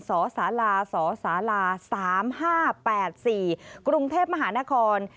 สส๓๕๘๔กรุงเทพมหานคร